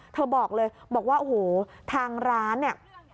บอกเลยบอกว่าโอ้โหทางร้านเนี่ย